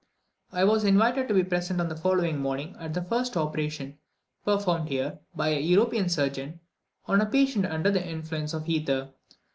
I was invited to be present on the following morning at the first operation performed here, by a European surgeon, on a patient under the influence of ether.